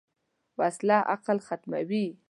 وسله عقل ختموي